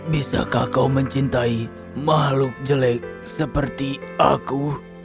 bisakah kau mencintai makhluk jelek seperti aku